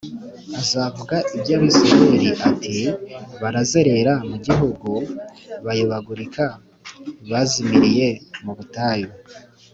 azavuga iby Abisirayeli ati barazerera mu gihugu bayobagurika bazimiriye mu butayu